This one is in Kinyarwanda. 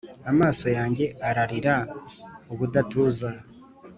Amaso yanjye ararira ubudatuza,